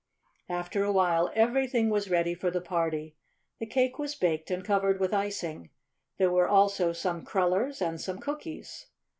After a while everything was ready for the party. The cake was baked and covered with icing. There were also some crullers and some cookies.